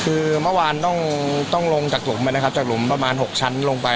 คือเมื่อวานต้องลงจากหลุมไปนะครับจากหลุมประมาณ๖ชั้นลงไป